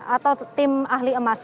atau tim ahli emas